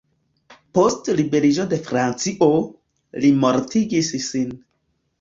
Post liberiĝo de Francio, li mortigis sin.